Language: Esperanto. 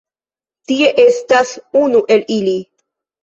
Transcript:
Tie estas unu el ili